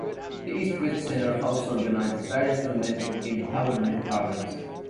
The East-West Center also organizes various women empowerment programs.